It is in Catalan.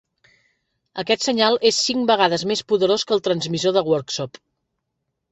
Aquest senyal és cinc vegades més poderós que el transmissor de Worksop.